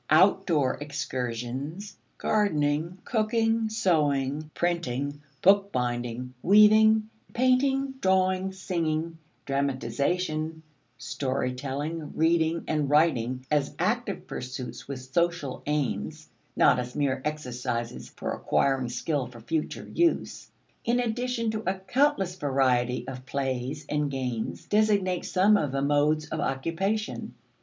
Outdoor excursions, gardening, cooking, sewing, printing, book binding, weaving, painting, drawing, singing, dramatization, story telling, reading and writing as active pursuits with social aims (not as mere exercises for acquiring skill for future use), in addition to a countless variety of plays and games, designate some of the modes of occupation.